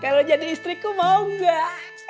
kalau jadi istriku mau gak